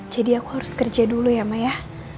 jadi aku harus kerja dulu ya maya